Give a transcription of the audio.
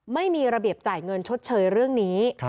ไม่มีระเบียบจ่ายเงินชดเชยเรื่องนี้